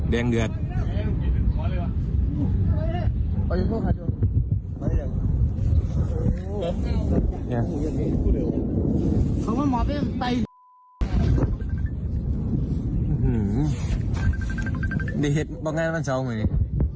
เดียงเดือด